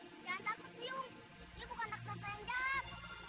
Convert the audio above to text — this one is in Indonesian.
jangan takut bium dia bukan raksasa yang jahat